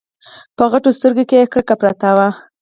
په غټو سترګو کې يې کرکه پرته وه.